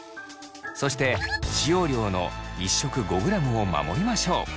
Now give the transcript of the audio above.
そして使用量の１食５ｇを守りましょう。